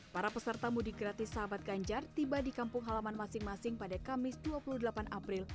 para peserta mudik gratis sahabat ganjar tiba di kampung halaman masing masing pada kamis dua puluh delapan april